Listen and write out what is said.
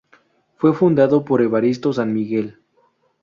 Fue fundado por Evaristo San Miguel.